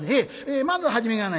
「まず初めがね